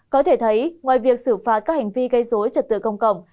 có thể thấy ngoài việc xử phạt các hành vi gây dối trật tự công cộng